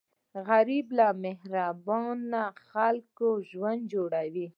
غریب له مهربانه خلکو ژوند جوړوي